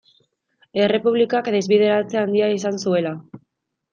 Errepublikak desbideratze handia izan zuela.